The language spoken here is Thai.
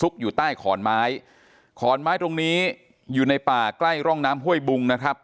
อยู่ใต้ขอนไม้ขอนไม้ตรงนี้อยู่ในป่าใกล้ร่องน้ำห้วยบุงนะครับ